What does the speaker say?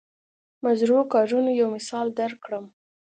مضرو کارونو یو مثال درکړم.